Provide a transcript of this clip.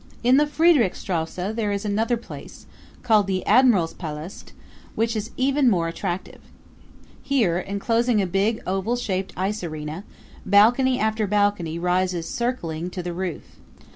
In the Friedrichstrasse there is another place, called the Admiralspalast, which is even more attractive. Here, inclosing a big, oval shaped ice arena, balcony after balcony rises circling to the roof.